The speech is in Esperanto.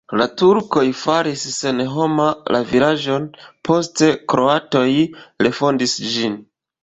La turkoj faris senhoma la vilaĝon, poste kroatoj refondis ĝin.